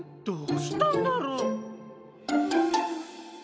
どうしたんだろ。